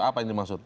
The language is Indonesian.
apa yang dimaksud